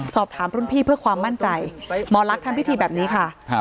สอบถามรุ่นพี่เพื่อความมั่นใจหมอลักษณ์ทำพิธีแบบนี้ค่ะ